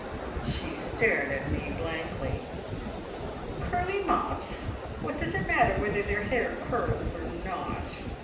She stared at me blankly. "Curly mops! What does it matter whether their hair curls or not?